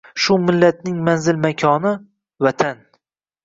Shu millatning manzil-makoni — Vatan.